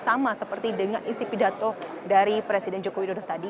sama seperti dengan isi pidato dari presiden joko widodo tadi